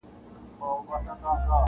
وئېل ئې څو کم سنه دي، لۀ قافه را روان دي -